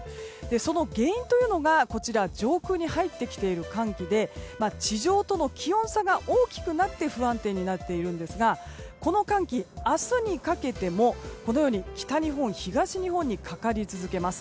その原因が上空に入ってきている寒気で地上との気温差が大きくなって不安定になっているんですがこの寒気明日にかけても北日本、東日本にかかり続けます。